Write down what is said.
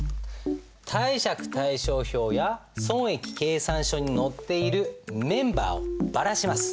貸借対照表や損益計算書に載っているメンバーをばらします。